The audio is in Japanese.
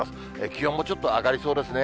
気温もちょっと上がりそうですね。